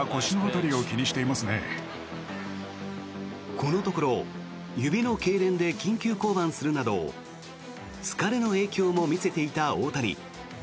このところ指のけいれんで緊急降板するなど疲れの影響も見せていた大谷。